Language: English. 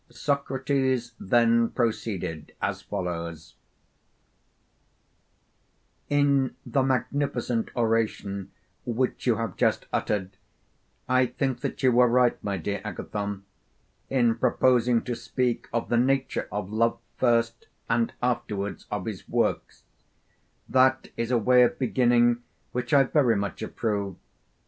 Socrates then proceeded as follows: In the magnificent oration which you have just uttered, I think that you were right, my dear Agathon, in proposing to speak of the nature of Love first and afterwards of his works that is a way of beginning which I very much approve.